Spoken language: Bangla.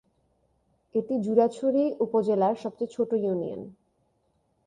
এটি জুরাছড়ি উপজেলার সবচেয়ে ছোট ইউনিয়ন।